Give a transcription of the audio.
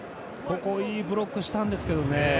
いいブロックしたんですけどね。